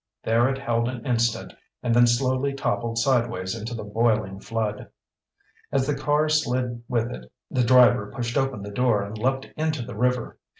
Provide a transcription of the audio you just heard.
There it held an instant and then slowly toppled sideways into the boiling flood. As the car slid with it, the driver pushed open the door and leaped into the river.